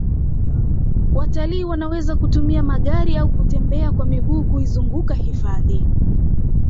watalii wanaweza kutumia magari au kutembea kwa miguu kuizunguka hifadhi